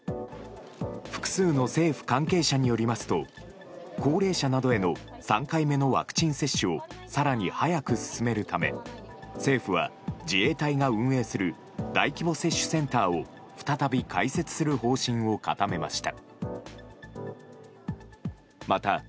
複数の政府関係者によりますと高齢者などへの３回目のワクチン接種を更に早く進めるため政府は、自衛隊が運営する大規模接種センターを再び開設する方針を固めました。